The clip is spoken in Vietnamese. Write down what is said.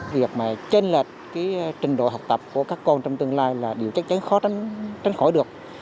việc mà trên lệch cái trình độ học tập của các con trong tương lai là điều chắc chắn khó tránh khỏi được